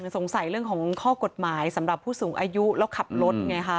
สงสัยเรื่องของข้อกฎหมายสำหรับผู้สูงอายุแล้วขับรถไงคะ